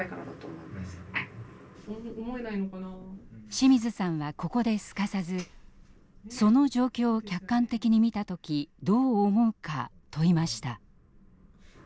清水さんはここですかさずその状況を客観的に見た時どう思うか問いました。